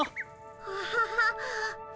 アハハッ。